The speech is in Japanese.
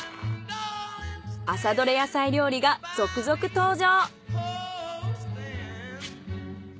朝採れ野菜料理が続々登場。